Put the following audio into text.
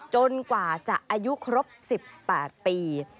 จนกว่าจะอายุครบ๑๘ปี